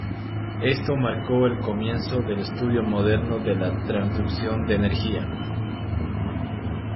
Esto marcó el comienzo del estudio moderno de la transducción de energía.